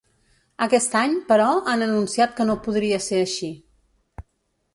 Aquest any, però, han anunciat que no podria ser així.